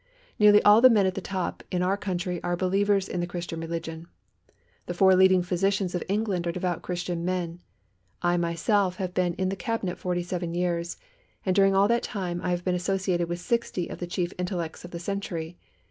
Nearly all the men at the top in our country are believers in the Christian religion. The four leading physicians of England are devout Christian men. I, myself, have been in the Cabinet forty seven years, and during all that time I have been associated with sixty of the chief intellects of the century.